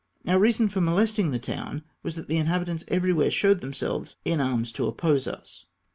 Our reason for molesting the town was that the inhabitants everywhere showed themselves in arms to oppose us.